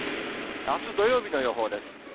あす土曜日の予報です。